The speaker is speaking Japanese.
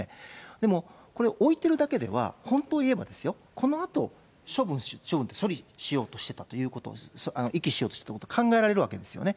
でもこれ、置いてるだけでは本当を言えばですよ、このあと、処分、処理しようとしてた、遺棄しようとしてたということも考えられるんですよね。